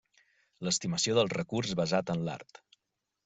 L'estimació del recurs basat en l'art.